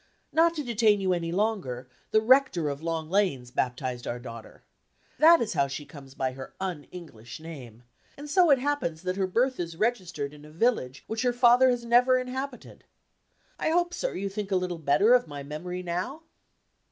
Not to detain you any longer, the rector of Long Lanes baptized our daughter. That is how she comes by her un English name; and so it happens that her birth is registered in a village which her father has never inhabited. I hope, sir, you think a little better of my memory now?"